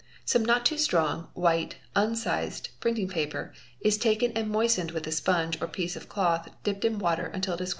Some not p# S= strong, white, unsized printing paper* is taken and moistened with sponge or piece of cloth dipped in water until it is quite softened and